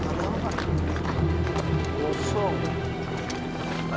terima kasih pak